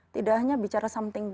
tidak hanya bicara something